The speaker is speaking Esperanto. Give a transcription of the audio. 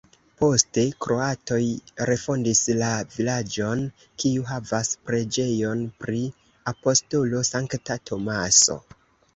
Poste kroatoj refondis la vilaĝon, kiu havas preĝejon pri apostolo Sankta Tomaso.